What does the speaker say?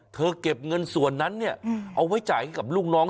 เก็บเงินส่วนนั้นเนี่ยเอาไว้จ่ายให้กับลูกน้อง